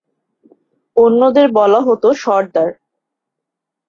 অন্যদের বলা হত সর্দার।